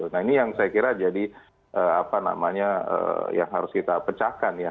nah ini yang saya kira jadi apa namanya yang harus kita pecahkan ya